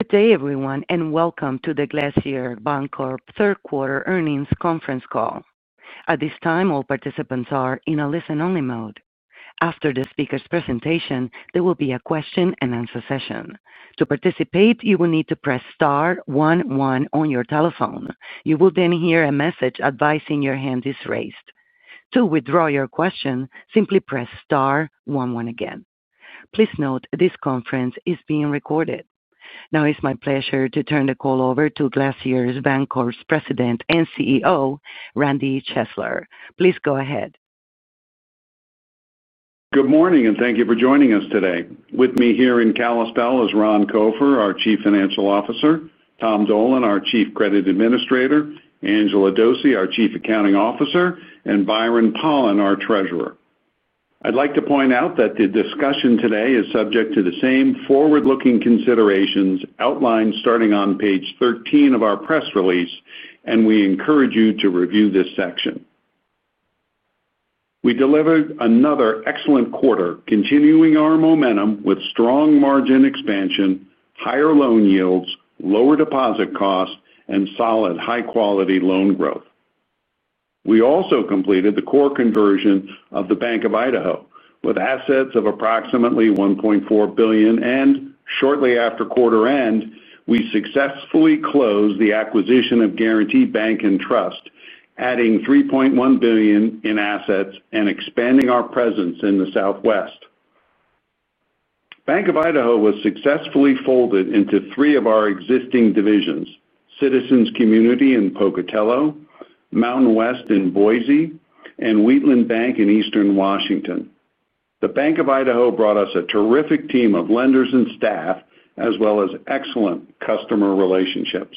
Good day, everyone, and welcome to the Glacier Bancorp third-quarter earnings conference call. At this time, all participants are in a listen-only mode. After the speaker's presentation, there will be a question-and-answer session. To participate, you will need to press star 11 on your telephone. You will then hear a message advising your hand is raised. To withdraw your question, simply press star one one again. Please note this conference is being recorded. Now, it's my pleasure to turn the call over to Glacier Bancorp's President and CEO, Randy Chesler. Please go ahead. Good morning, and thank you for joining us today. With me here in Kalispell is Ron Copher, our Chief Financial Officer, Tom Dolan, our Chief Credit Administrator, Angela Dose, our Chief Accounting Officer, and Byron Pollan, our Treasurer. I'd like to point out that the discussion today is subject to the same forward-looking considerations outlined starting on page 13 of our press release, and we encourage you to review this section. We delivered another excellent quarter, continuing our momentum with strong margin expansion, higher loan yields, lower deposit costs, and solid, high-quality loan growth. We also completed the core conversion of the Bank of Idaho with assets of approximately $1.4 billion, and shortly after quarter end, we successfully closed the acquisition of Guaranty Bank and Trust, adding $3.1 billion in assets and expanding our presence in the Southwest. Bank of Idaho was successfully folded into three of our existing divisions: Citizens Community Bank in Pocatello, Mountain West Bank in Boise, and Wheatland Bank in Eastern Washington. The Bank of Idaho brought us a terrific team of lenders and staff, as well as excellent customer relationships.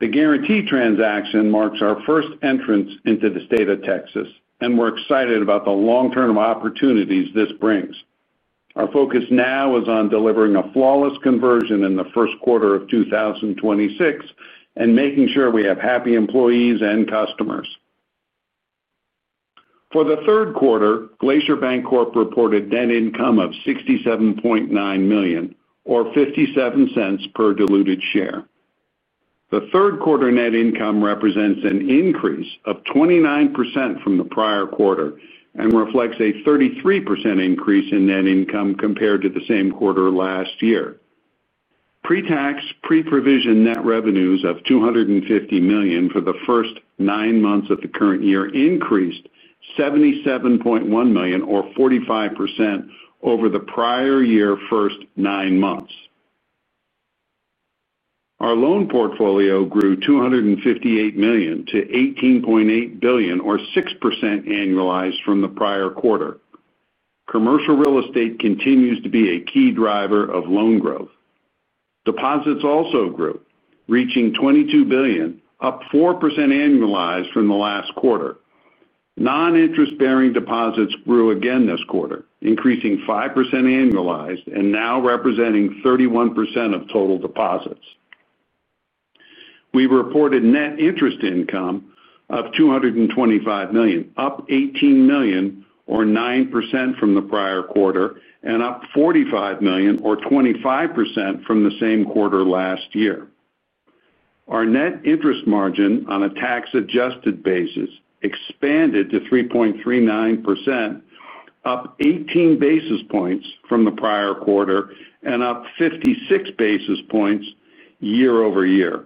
The Guaranty transaction marks our first entrance into the state of Texas, and we're excited about the long-term opportunities this brings. Our focus now is on delivering a flawless conversion in the first quarter of 2026 and making sure we have happy employees and customers. For the third quarter, Glacier Bancorp reported net income of $67.9 million or $0.57 per diluted share. The third quarter net income represents an increase of 29% from the prior quarter and reflects a 33% increase in net income compared to the same quarter last year. Pre-tax, pre-provision net revenues of $250 million for the first nine months of the current year increased $77.1 million or 45% over the prior year's first nine months. Our loan portfolio grew $258 million to $18.8 billion or 6% annualized from the prior quarter. Commercial real estate continues to be a key driver of loan growth. Deposits also grew, reaching $22 billion, up 4% annualized from the last quarter. Non-interest-bearing deposits grew again this quarter, increasing 5% annualized and now representing 31% of total deposits. We reported net interest income of $225 million, up $18 million or 9% from the prior quarter, and up $45 million or 25% from the same quarter last year. Our net interest margin on a tax-adjusted basis expanded to 3.39%, up 18 basis points from the prior quarter, and up 56 basis points year-over-year.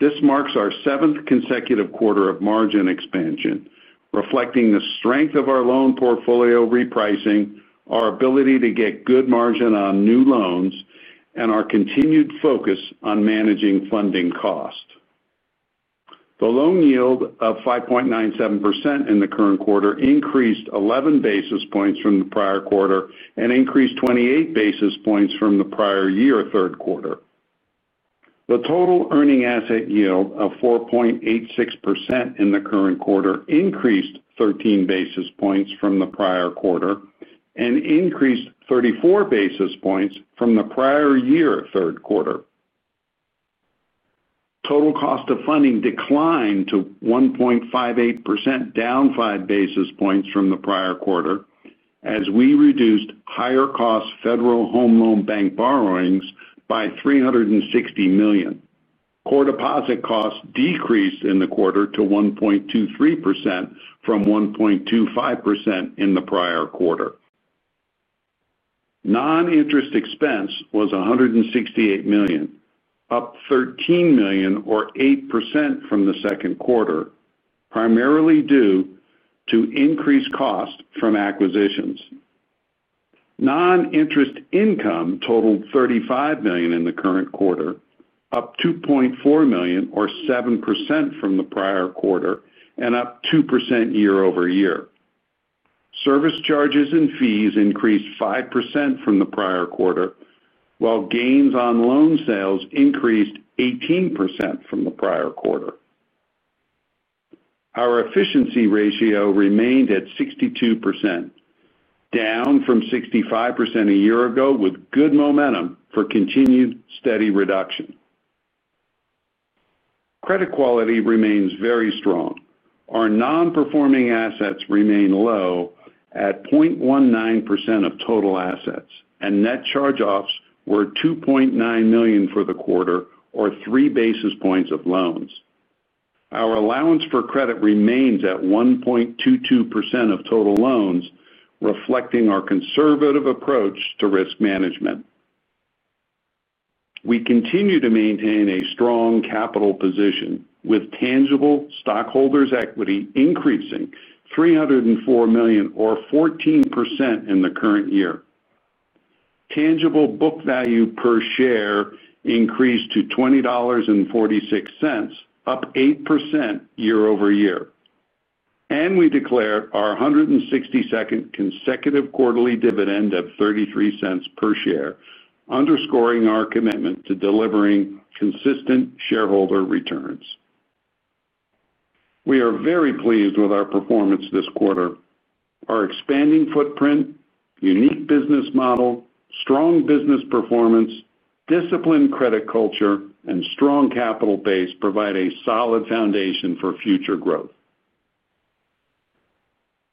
This marks our seventh consecutive quarter of margin expansion, reflecting the strength of our loan portfolio repricing, our ability to get good margin on new loans, and our continued focus on managing funding costs. The loan yield of 5.97% in the current quarter increased 11 basis points from the prior quarter and increased 28 basis points from the prior year third quarter. The total earning asset yield of 4.86% in the current quarter increased 13 basis points from the prior quarter and increased 34 basis points from the prior year third quarter. Total cost of funding declined to 1.58%, down 5 basis points from the prior quarter, as we reduced higher-cost Federal Home Loan Bank borrowings by $360 million. Core deposit costs decreased in the quarter to 1.23% from 1.25% in the prior quarter. Non-interest expense was $168 million, up $13 million or 8% from the second quarter, primarily due to increased costs from acquisitions. Non-interest income totaled $35 million in the current quarter, up $2.4 million or 7% from the prior quarter, and up 2% year over year. Service charges and fees increased 5% from the prior quarter, while gains on loan sales increased 18% from the prior quarter. Our efficiency ratio remained at 62%, down from 65% a year ago, with good momentum for continued steady reduction. Credit quality remains very strong. Our non-performing assets remain low at 0.19% of total assets, and net charge-offs were $2.9 million for the quarter or 3 basis points of loans. Our allowance for credit remains at 1.22% of total loans, reflecting our conservative approach to risk management. We continue to maintain a strong capital position, with tangible stockholders' equity increasing $304 million or 14% in the current year. Tangible book value per share increased to $20.46, up 8% year over year. We declare our 162nd consecutive quarterly dividend of $0.33 per share, underscoring our commitment to delivering consistent shareholder returns. We are very pleased with our performance this quarter. Our expanding footprint, unique business model, strong business performance, disciplined credit culture, and strong capital base provide a solid foundation for future growth.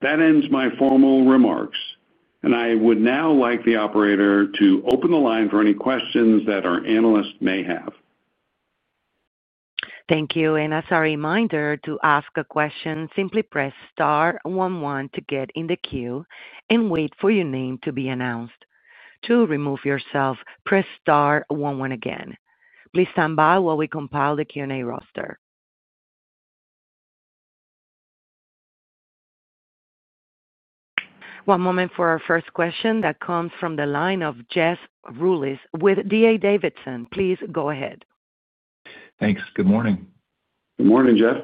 That ends my formal remarks, and I would now like the operator to open the line for any questions that our analysts may have. Thank you, and as a reminder, to ask a question, simply press star one one to get in the queue and wait for your name to be announced. To remove yourself, press star one one again. Please stand by while we compile the Q&A roster. One moment for our first question that comes from the line of Jeffrey Rulis with D.A. Davidson. Please go ahead. Thanks. Good morning. Good morning, Jeff.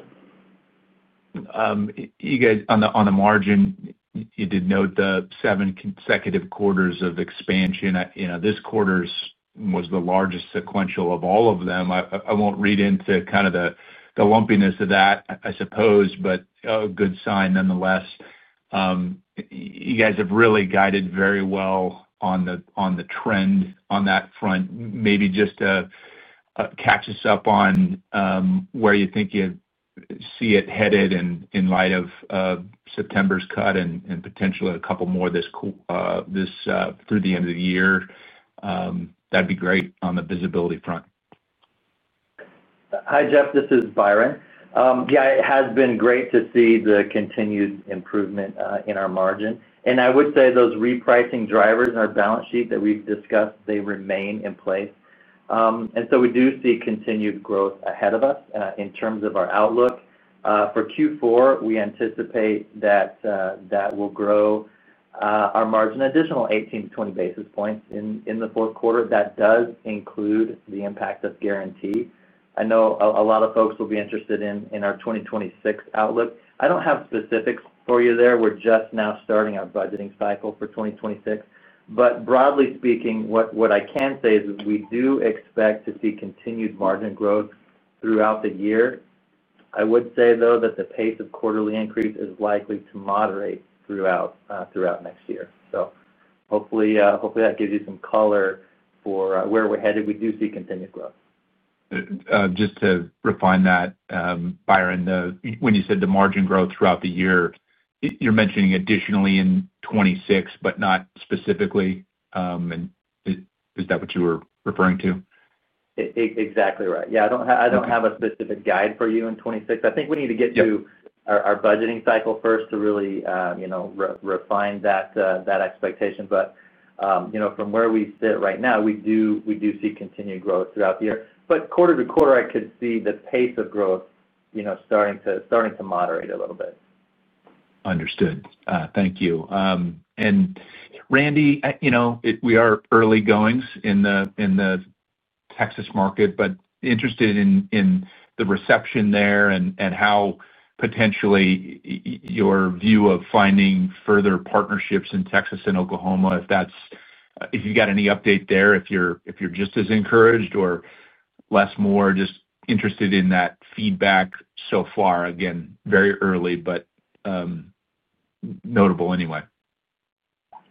You guys, on the margin, you did note the seven consecutive quarters of expansion. This quarter's was the largest sequential of all of them. I won't read into kind of the lumpiness of that, I suppose, but a good sign nonetheless. You guys have really guided very well on the trend on that front. Maybe just catch us up on where you think you see it headed in light of September's cut and potentially a couple more this through the end of the year. That'd be great on the visibility front. Hi, Jeff. This is Byron. Yeah, it has been great to see the continued improvement in our margin. I would say those repricing drivers in our balance sheet that we've discussed remain in place. We do see continued growth ahead of us in terms of our outlook. For Q4, we anticipate that will grow our margin an additional 18-20 basis points in the fourth quarter. That does include the impact of Guaranty. I know a lot of folks will be interested in our 2026 outlook. I don't have specifics for you there. We're just now starting our budgeting cycle for 2026. Broadly speaking, what I can say is we do expect to see continued margin growth throughout the year. I would say, though, that the pace of quarterly increase is likely to moderate throughout next year. Hopefully, that gives you some color for where we're headed. We do see continued growth. Just to refine that, Byron, when you said the margin growth throughout the year, you're mentioning additionally in 2026, but not specifically. Is that what you were referring to? Exactly right. I don't have a specific guide for you in 2026. I think we need to get to our budgeting cycle first to really refine that expectation. From where we sit right now, we do see continued growth throughout the year. Quarter to quarter, I could see the pace of growth starting to moderate a little bit. Thank you. Randy, you know, we are early goings in the Texas market, but interested in the reception there and how potentially your view of finding further partnerships in Texas and Oklahoma, if that's if you've got any update there, if you're just as encouraged or less more, just interested in that feedback so far. Again, very early, but notable anyway.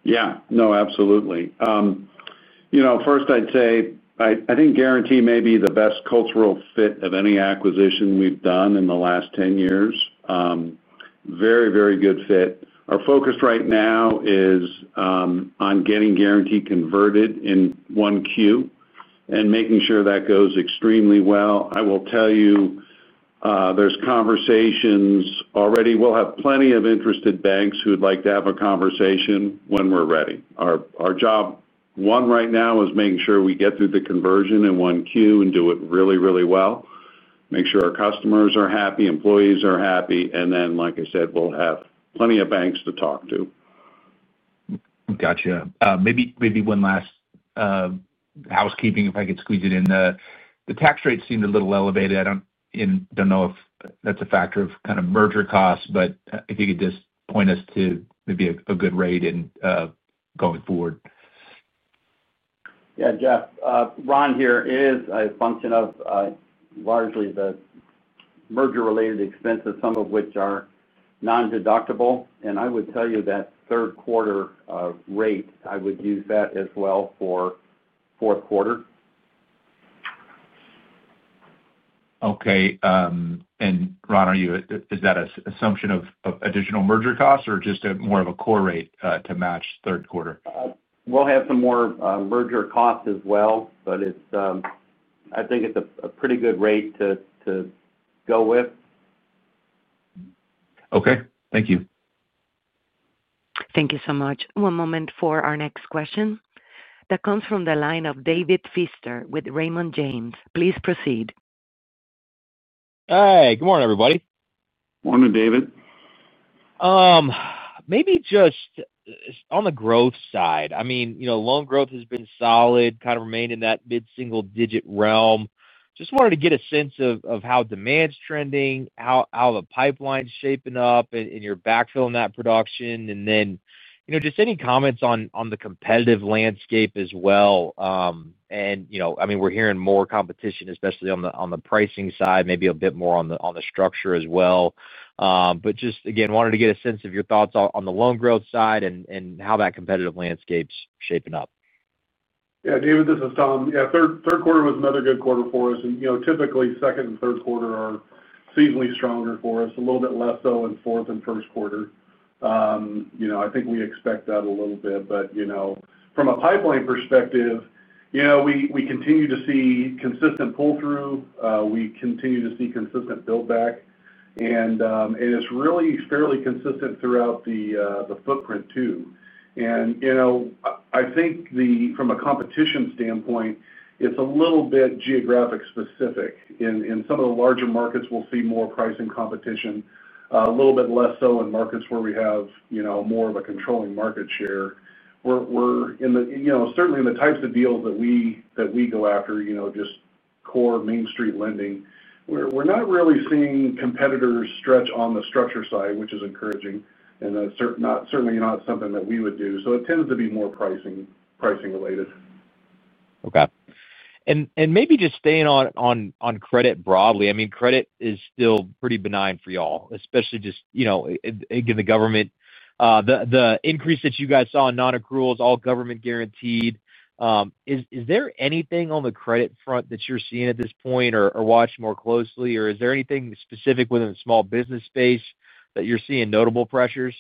Yeah. No, absolutely. First, I'd say I think Guaranty may be the best cultural fit of any acquisition we've done in the last 10 years. Very, very good fit. Our focus right now is on getting Guaranty converted in Q1 and making sure that goes extremely well. I will tell you, there's conversations already. We'll have plenty of interested banks who'd like to have a conversation when we're ready. Our job, one, right now is making sure we get through the conversion in Q1 and do it really, really well. Make sure our customers are happy, employees are happy, and then, like I said, we'll have plenty of banks to talk to. Gotcha. Maybe one last housekeeping, if I could squeeze it in. The tax rates seemed a little elevated. I don't know if that's a factor of kind of merger costs, but if you could just point us to maybe a good rate going forward. Yeah, Jeff. Ron here. It is a function of largely the merger-related expenses, some of which are non-deductible. I would tell you that third-quarter rate, I would use that as well for fourth quarter. Okay. Ron, is that an assumption of additional merger costs or just more of a core rate to match third quarter? We'll have some more merger costs as well, but I think it's a pretty good rate to go with. Okay, thank you. Thank you so much. One moment for our next question. That comes from the line of David Pfister with Raymond James & Associates Inc. Please proceed. Hey, good morning, everybody. Morning, David. Maybe just on the growth side, loan growth has been solid, kind of remained in that mid-single-digit realm. Just wanted to get a sense of how demand's trending, how the pipeline's shaping up, and you're backfilling that production. Just any comments on the competitive landscape as well. We're hearing more competition, especially on the pricing side, maybe a bit more on the structure as well. Just wanted to get a sense of your thoughts on the loan growth side and how that competitive landscape's shaping up. Yeah, David, this is Tom. Third quarter was another good quarter for us. Typically, second and third quarter are seasonally stronger for us, a little bit less so in fourth and first quarter. I think we expect that a little bit. From a pipeline perspective, we continue to see consistent pull-through. We continue to see consistent build-back, and it's really fairly consistent throughout the footprint too. I think from a competition standpoint, it's a little bit geographic-specific. In some of the larger markets, we'll see more pricing competition, a little bit less so in markets where we have more of a controlling market share. Certainly in the types of deals that we go after, just core Main Street lending, we're not really seeing competitors stretch on the structure side, which is encouraging. That's certainly not something that we would do. It tends to be more pricing related. Okay. Maybe just staying on credit broadly, I mean, credit is still pretty benign for y'all, especially just, you know, given the government, the increase that you guys saw in non-accruals, all government guaranteed. Is there anything on the credit front that you're seeing at this point or watching more closely, or is there anything specific within the small business space that you're seeing notable pressures?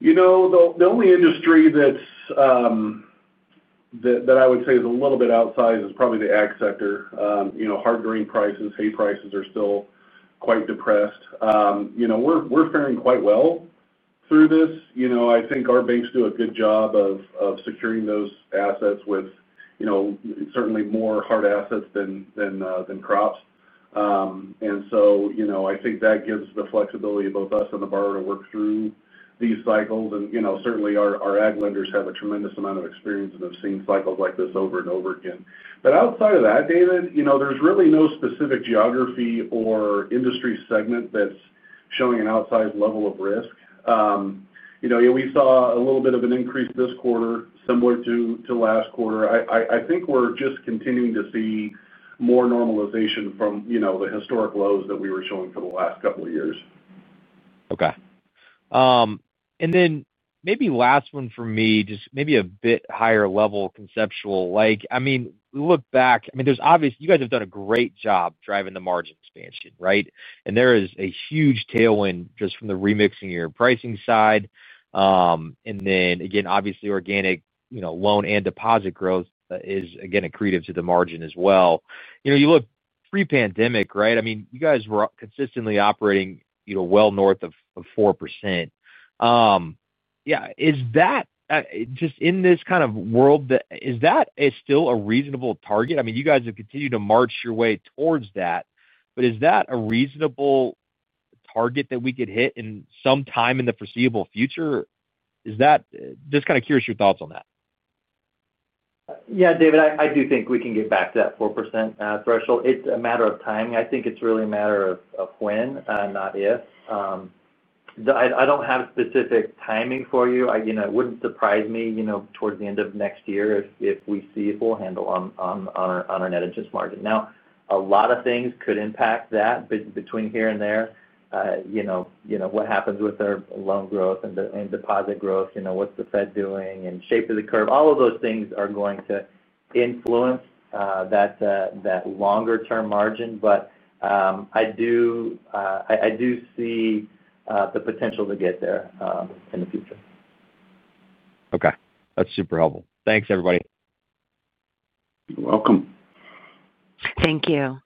The only industry that I would say is a little bit outside is probably the ag sector. Hard grain prices, hay prices are still quite depressed. We're faring quite well through this. I think our banks do a good job of securing those assets with certainly more hard assets than crops. I think that gives the flexibility to both us and the borrower to work through these cycles. Certainly, our ag lenders have a tremendous amount of experience and have seen cycles like this over and over again. Outside of that, David, there's really no specific geography or industry segment that's showing an outsized level of risk. We saw a little bit of an increase this quarter, similar to last quarter. I think we're just continuing to see more normalization from the historic lows that we were showing for the last couple of years. Okay. Maybe last one for me, just maybe a bit higher level conceptual. I mean, we look back, there's obviously, you guys have done a great job driving the margin expansion, right? There is a huge tailwind just from the remixing your pricing side. Again, obviously, organic, you know, loan and deposit growth is, again, accretive to the margin as well. You know, you look pre-pandemic, right? I mean, you guys were consistently operating, you know, well north of 4%. Is that just in this kind of world, is that still a reasonable target? I mean, you guys have continued to march your way towards that, but is that a reasonable target that we could hit in some time in the foreseeable future? Just kind of curious your thoughts on that. Yeah, David, I do think we can get back to that 4% threshold. It's a matter of timing. I think it's really a matter of when, not if. I don't have specific timing for you. It wouldn't surprise me towards the end of next year if we see a full handle on our net interest margin. A lot of things could impact that between here and there. What happens with our loan growth and deposit growth? What's the Fed doing and shape of the curve? All of those things are going to influence that longer-term margin. I do see the potential to get there in the future. Okay. That's super helpful. Thanks, everybody. You're welcome. Thank you.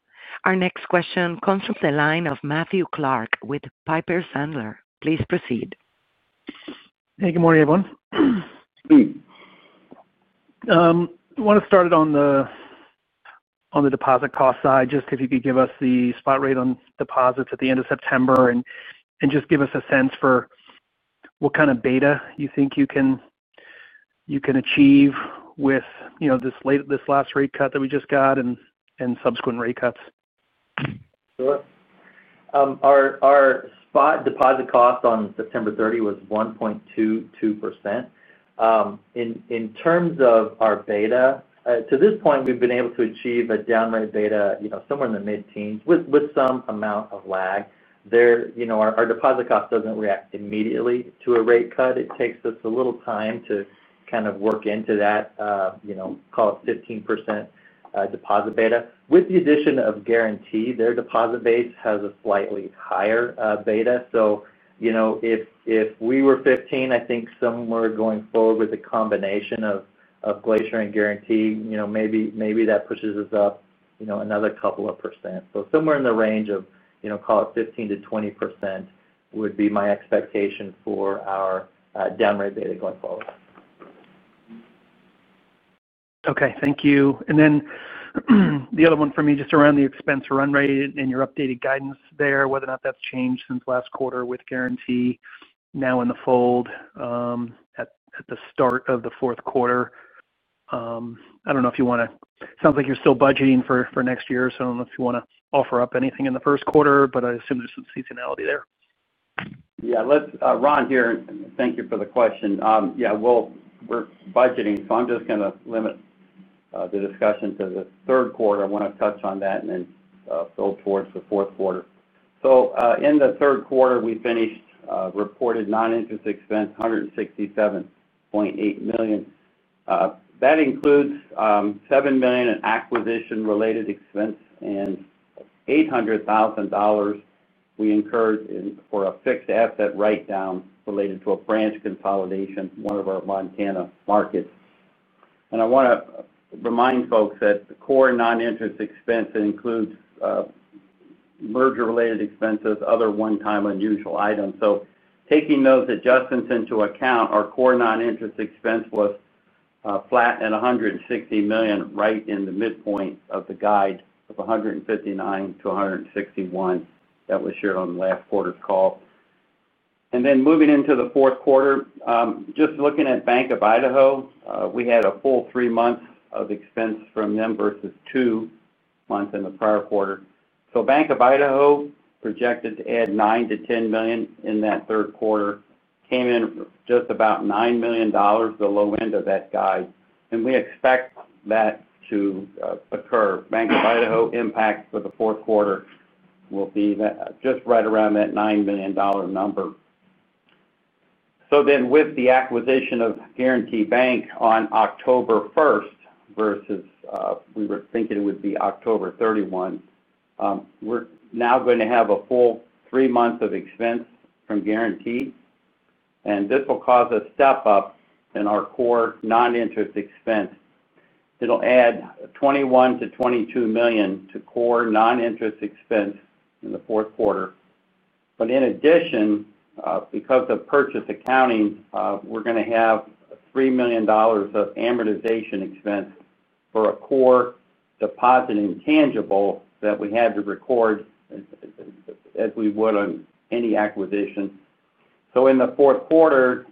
Our next question comes from the line of Matthew Clark with Piper Sandler. Please proceed. Hey, good morning, everyone. Hey. I want to start it on the deposit cost side, just if you could give us the spot rate on deposits at the end of September, and just give us a sense for what kind of beta you think you can achieve with this last rate cut that we just got and subsequent rate cuts. Sure. Our spot deposit cost on September 30 was 1.22%. In terms of our beta, to this point, we've been able to achieve a downright beta somewhere in the mid-teens with some amount of lag. Our deposit cost doesn't react immediately to a rate cut. It takes us a little time to kind of work into that, call it 15% deposit beta. With the addition of Guaranty, their deposit base has a slightly higher beta. If we were 15, I think somewhere going forward with a combination of Glacier and Guaranty, maybe that pushes us up another couple of percent. Somewhere in the range of, call it 15% -20% would be my expectation for our downright beta going forward. Okay. Thank you. The other one for me just around the expense run rate and your updated guidance there, whether or not that's changed since last quarter with Guaranty now in the fold at the start of the fourth quarter. I don't know if you want to, it sounds like you're still budgeting for next year, so I don't know if you want to offer up anything in the first quarter, but I assume there's some seasonality there. Yeah. It's Ron here, and thank you for the question. Yeah, we're budgeting, so I'm just going to limit the discussion to the third quarter. I want to touch on that and then build towards the fourth quarter. In the third quarter, we finished reported non-interest expense at $167.8 million. That includes $7 million in acquisition-related expense and $800,000 we incurred for a fixed asset write-down related to a branch consolidation in one of our Montana markets. I want to remind folks that the core non-interest expense includes merger-related expenses and other one-time unusual items. Taking those adjustments into account, our core non-interest expense was flat at $160 million, right in the midpoint of the guide of $159 million-$161 million that was shared on the last quarter's call. Moving into the fourth quarter, just looking at Bank of Idaho, we had a full three months of expense from them versus two months in the prior quarter. Bank of Idaho was projected to add $9 million-$10 million in that third quarter and came in just about $9 million, the low end of that guide. We expect that to occur. Bank of Idaho impact for the fourth quarter will be just right around that $9 million number. With the acquisition of Guaranty Bank and Trust on October 1 versus we were thinking it would be October 31, we're now going to have a full three months of expense from Guaranty. This will cause a step up in our core non-interest expense. It'll add $21 million-$22 million to core non-interest expense in the fourth quarter. In addition, because of purchase accounting, we're going to have $3 million of amortization expense for a core deposit intangible that we had to record as we would on any acquisition. In the fourth quarter,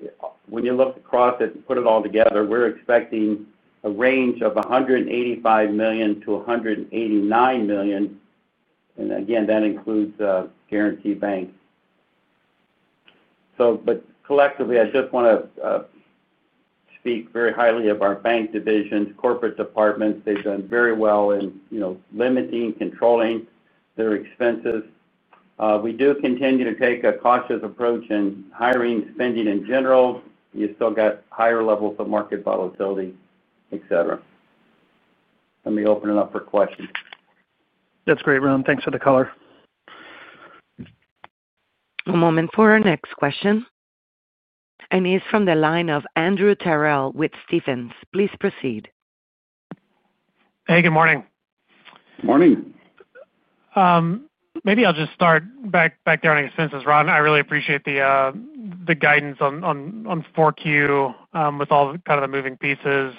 when you look across it and put it all together, we're expecting a range of $185 million-$189 million. Again, that includes Guaranty Bank and Trust. Collectively, I just want to speak very highly of our bank divisions and corporate departments. They've done very well in limiting and controlling their expenses. We do continue to take a cautious approach in hiring and spending in general. You still have higher levels of market volatility, etc. Let me open it up for questions. That's great, Ron. Thanks for the color. A moment for our next question. He is from the line of Andrew Terrell with Stephens Inc. Please proceed. Hey, good morning. Morning. Maybe I'll just start back there on expenses, Ron. I really appreciate the guidance on 4Q with all the kind of the moving pieces.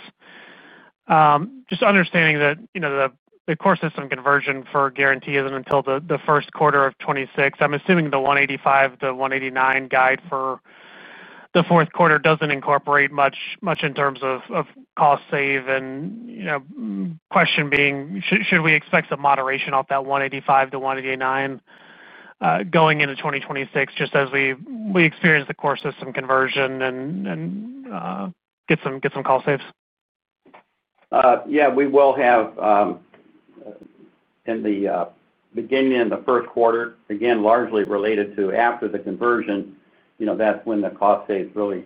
Just understanding that, you know, the core conversion for Guaranty Bank and Trust isn't until the first quarter of 2026. I'm assuming the $185-$189 million guide for the fourth quarter doesn't incorporate much in terms of cost save. You know, question being, should we expect some moderation off that $185 to $189 million going into 2026, just as we experience the core conversion and get some cost saves? Yeah, we will have in the beginning in the first quarter, again, largely related to after the conversion, you know, that's when the cost saves really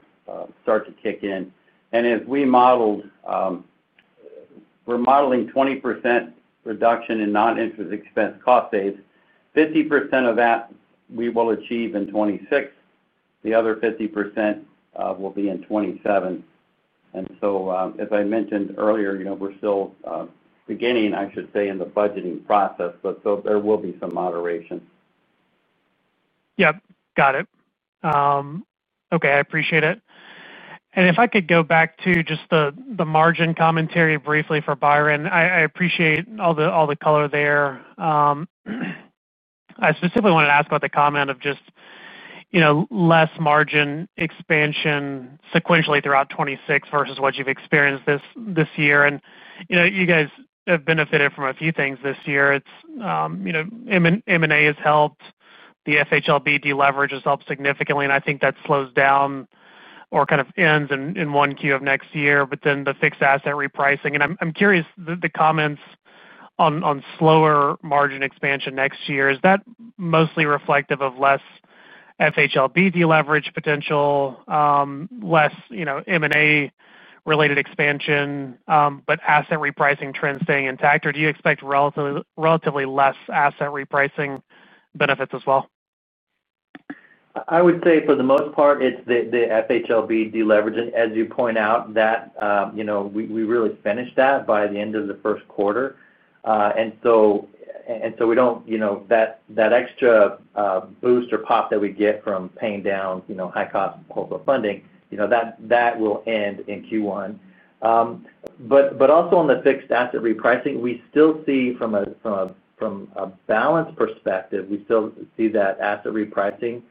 start to kick in. As we modeled, we're modeling 20% reduction in non-interest expense cost saves. 50% of that we will achieve in 2026. The other 50% will be in 2027. As I mentioned earlier, you know, we're still beginning, I should say, in the budgeting process, but there will be some moderation. Yeah, got it. Okay, I appreciate it. If I could go back to just the margin commentary briefly for Byron, I appreciate all the color there. I specifically wanted to ask about the comment of just, you know, less margin expansion sequentially throughout 2026 versus what you've experienced this year. You guys have benefited from a few things this year. It's, you know, M&A has helped. The FHLB leverage has helped significantly, and I think that slows down or kind of ends in Q1 of next year. Then the fixed asset repricing, and I'm curious, the comments on slower margin expansion next year, is that mostly reflective of less FHLB leverage potential, less, you know, M&A related expansion, but asset repricing trends staying intact, or do you expect relatively less asset repricing benefits as well? I would say for the most part, it's the FHLB leverage. As you point out, we really finished that by the end of the first quarter, so we don't, you know, that extra boost or pop that we get from paying down high-cost funding, that will end in Q1. Also, on the fixed asset repricing, we still see from a balance perspective, we still see that asset repricing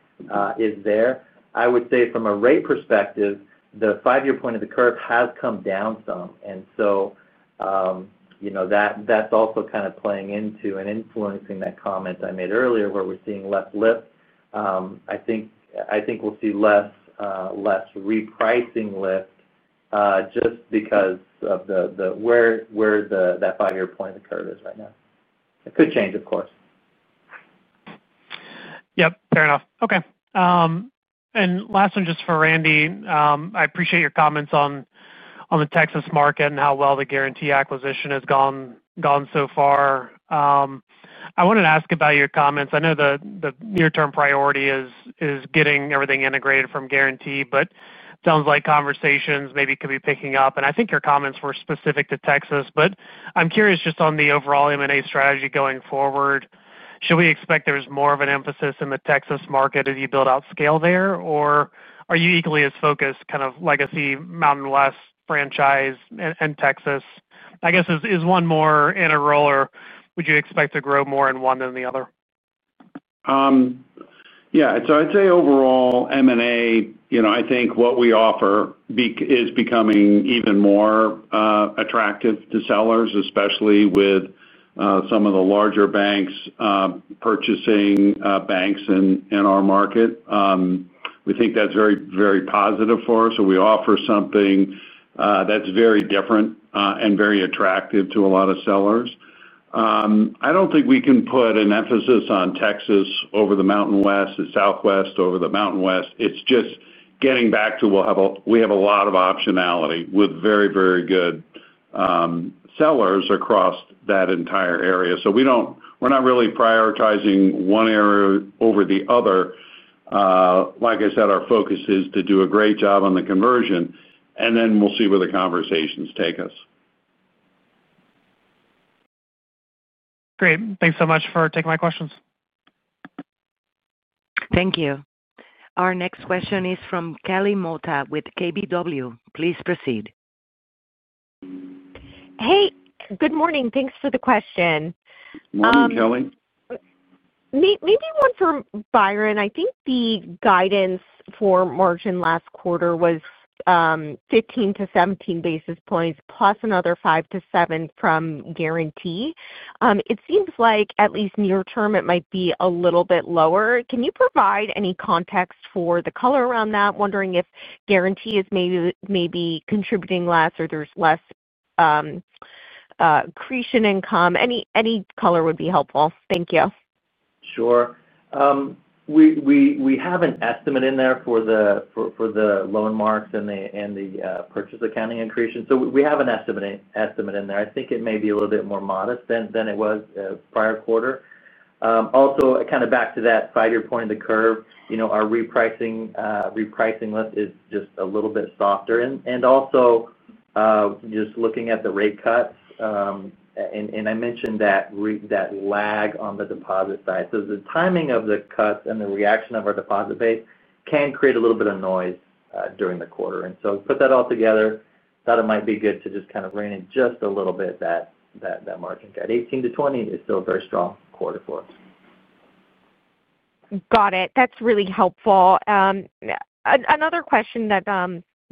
is there. I would say from a rate perspective, the five-year point of the curve has come down some, so that's also kind of playing into and influencing that comment I made earlier where we're seeing less lift. I think we'll see less repricing lift just because of where that five-year point of the curve is right now. It could change, of course. Yep, fair enough. Okay. Last one just for Randy. I appreciate your comments on the Texas market and how well the Guaranty acquisition has gone so far. I wanted to ask about your comments. I know the near-term priority is getting everything integrated from Guaranty, but it sounds like conversations maybe could be picking up. I think your comments were specific to Texas, but I'm curious just on the overall M&A strategy going forward. Should we expect there's more of an emphasis in the Texas market as you build out scale there, or are you equally as focused kind of legacy Mountain West franchise and Texas? I guess, is one more in a role, or would you expect to grow more in one than the other? Yeah. I'd say overall M&A, I think what we offer is becoming even more attractive to sellers, especially with some of the larger banks purchasing banks in our market. We think that's very, very positive for us. We offer something that's very different and very attractive to a lot of sellers. I don't think we can put an emphasis on Texas over the Mountain West, the Southwest over the Mountain West. It's just getting back to we have a lot of optionality with very, very good sellers across that entire area. We are not really prioritizing one area over the other. Like I said, our focus is to do a great job on the conversion, and then we'll see where the conversations take us. Great. Thanks so much for taking my questions. Thank you. Our next question is from Kelly Motta with Keefe, Bruyette & Woods. Please proceed. Hey, good morning. Thanks for the question. Morning, Kelly. Maybe one for Byron. I think the guidance for margin last quarter was 15-17 basis points, plus another 5-7 from Guaranty. It seems like at least near-term it might be a little bit lower. Can you provide any context for the color around that? Wondering if Guaranty is maybe contributing less or there's less accretion income. Any color would be helpful. Thank you. Sure. We have an estimate in there for the loan marks and the purchase accounting accretion. We have an estimate in there. I think it may be a little bit more modest than it was prior quarter. Also, kind of back to that five-year point of the curve, our repricing list is just a little bit softer. Also, just looking at the rate cuts, and I mentioned that lag on the deposit side. The timing of the cuts and the reaction of our deposit base can create a little bit of noise during the quarter. Put that all together, thought it might be good to just kind of rein in just a little bit that margin cut. 18-20 is still a very strong quarter for us. Got it. That's really helpful. Another question that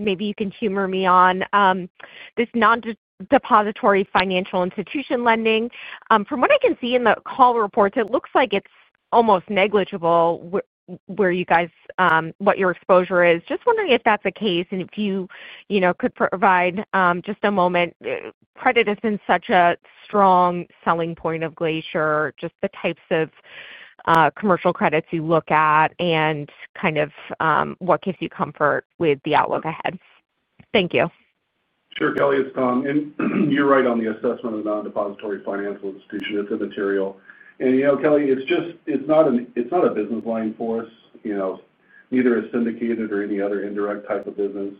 maybe you can humor me on, this non-depository financial institution lending. From what I can see in the call reports, it looks like it's almost negligible where you guys, what your exposure is. Just wondering if that's the case and if you could provide just a moment. Credit has been such a strong selling point of Glacier, just the types of commercial credits you look at and kind of what gives you comfort with the outlook ahead. Thank you. Sure, Kelly, it's Tom. You're right on the assessment of the non-depository financial institution. It's immaterial. You know, Kelly, it's just, it's not a business line for us. Neither is syndicated or any other indirect type of business.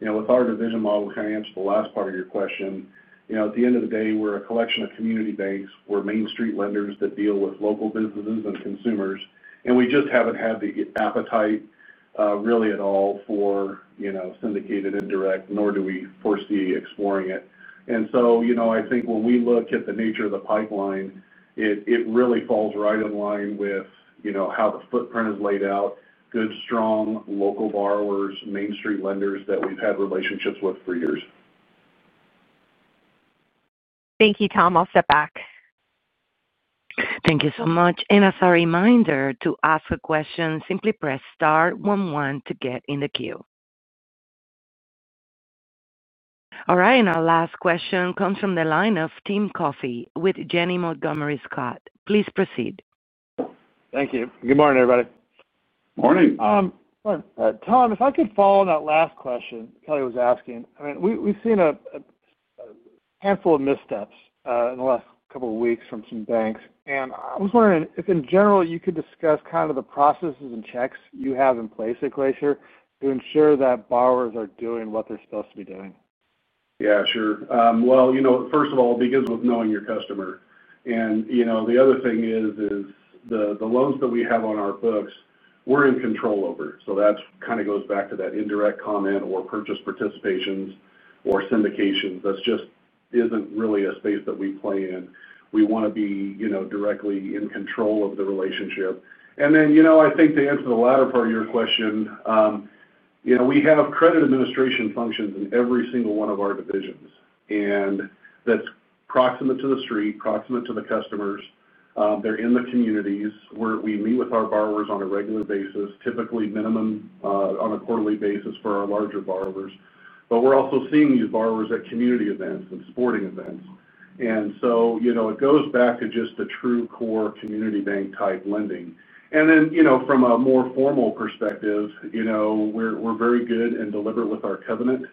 With our division model of financial, the last part of your question, at the end of the day, we're a collection of community banks. We're Main Street lenders that deal with local businesses and consumers. We just haven't had the appetite, really at all for syndicated indirect, nor do we foresee exploring it. I think when we look at the nature of the pipeline, it really falls right in line with how the footprint is laid out, good, strong local borrowers, Main Street lenders that we've had relationships with for years. Thank you, Tom. I'll step back. Thank you so much. As a reminder, to ask a question, simply press star one one to get in the queue. Our last question comes from the line of Timothy Coffey with Janney Montgomery Scott. Please proceed. Thank you. Good morning, everybody. Morning. Morning. Tom, if I could follow on that last question Kelly was asking, I mean, we've seen a handful of missteps in the last couple of weeks from some banks. I was wondering if, in general, you could discuss kind of the processes and checks you have in place at Glacier to ensure that borrowers are doing what they're supposed to be doing. Yeah, sure. First of all, begin with knowing your customer. The other thing is the loans that we have on our books, we're in control over. That kind of goes back to that indirect comment or purchase participations or syndications. That just isn't really a space that we play in. We want to be directly in control of the relationship. I think to answer the latter part of your question, we have credit administration functions in every single one of our divisions. That's proximate to the street, proximate to the customers. They're in the communities where we meet with our borrowers on a regular basis, typically minimum on a quarterly basis for our larger borrowers. We're also seeing these borrowers at community events and sporting events. It goes back to just the true core community bank type lending. From a more formal perspective, we're very good and deliberate with our covenant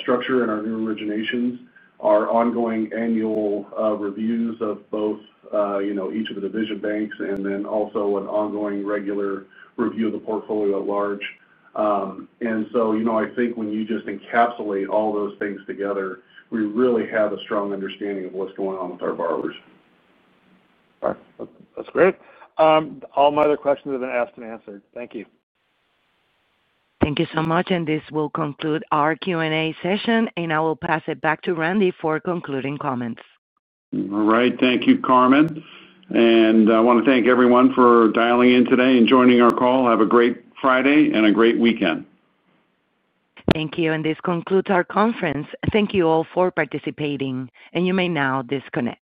structure and our new originations, our ongoing annual reviews of both each of the division banks, and then also an ongoing regular review of the portfolio at large. I think when you just encapsulate all those things together, we really have a strong understanding of what's going on with our borrowers. All right. That's great. All my other questions have been asked and answered. Thank you. Thank you so much. This will conclude our Q&A session, and I will pass it back to Randy for concluding comments. All right. Thank you, Carmen. I want to thank everyone for dialing in today and joining our call. Have a great Friday and a great weekend. Thank you. This concludes our conference. Thank you all for participating. You may now disconnect.